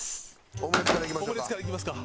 オムレツからいきますか。